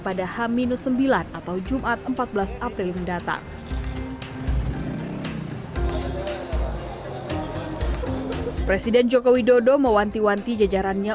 pada h sembilan atau jumat empat belas april mendatang presiden joko widodo mewanti wanti jajarannya